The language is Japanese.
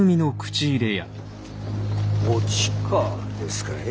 「おちか」ですかい？